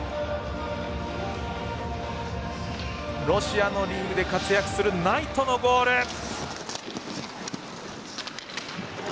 ロシアのリーグで活躍するナイトのゴール。